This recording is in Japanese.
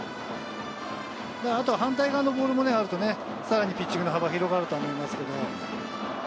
あと反対側のボールもあると、さらにピッチングの幅が広がると思いますね。